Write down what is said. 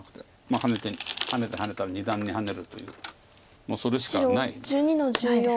ハネてハネてハネたら二段にハネるというそれしかないです。